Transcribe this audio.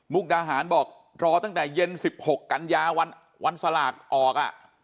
มุกดาหารบอกรอตั้งแต่เย็นสิบหกกัญญาวันสลากออกอ่ะ